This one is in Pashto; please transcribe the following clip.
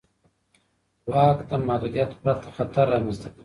واک د محدودیت پرته خطر رامنځته کوي.